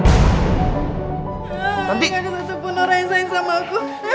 gak ada satupun orang yang sayang sama aku